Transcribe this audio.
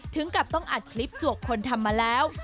ถึงกับต้องอัดคลิปจวกคนทำมาแล้ว